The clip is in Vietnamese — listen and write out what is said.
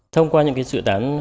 thông qua những sự tán hợp